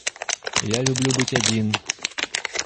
Я люблю быть один.